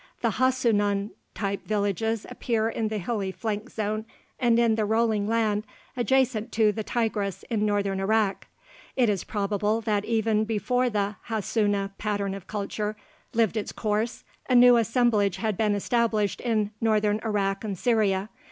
The Hassunan type villages appear in the hilly flanks zone and in the rolling land adjacent to the Tigris in northern Iraq. It is probable that even before the Hassuna pattern of culture lived its course, a new assemblage had been established in northern Iraq and Syria.